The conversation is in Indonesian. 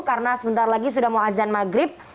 karena sebentar lagi sudah mau azan maghrib